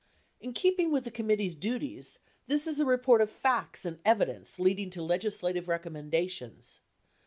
In keeping with the committee's duties, this is a report of facts and evidence, leading to legislative recommendations.